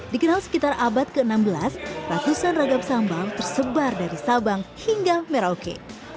dikenal sekitar abad ke enam belas ratusan ragam sambal tersebar dari sabang hingga merauke